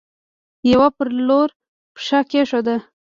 يوه پر لور پښه کيښوده.